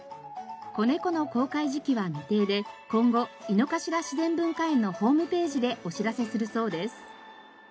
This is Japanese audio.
子ネコの公開時期は未定で今後井の頭自然文化園のホームページでお知らせするそうです。